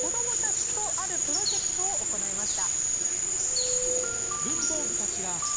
子どもたちとあるプロジェクトを行いました。